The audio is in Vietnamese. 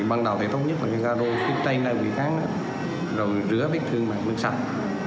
bằng đầu thì tốt nhất là ra đôi bước tay ra bước tay rồi rửa bước thương bằng bước sạch